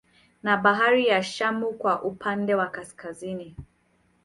Na bahari ya Shamu kwa upande wa Kaskazini